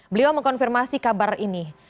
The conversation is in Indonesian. beliau mengkonfirmasi kabar ini